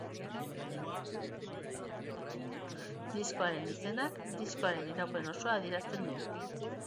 Diskoaren izenak diskoaren iraupen osoa adierazten du.